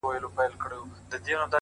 ریښتینی ځواک له دننه راپورته کېږي،